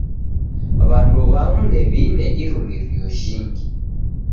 W'andu w'amu ndew'ine irumirio jhingi.